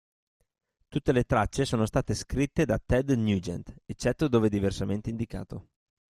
Tutte le tracce sono state scritte da Ted Nugent, eccetto dove diversamente indicato.